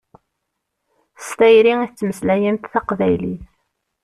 S tayri i tettmeslayemt taqbaylit.